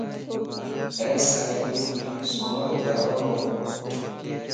ايس. آئي. يو. ٽي سھڻو ادارو وَ.